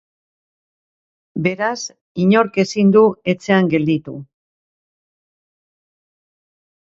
Beraz, inork ezin du etxean gelditu.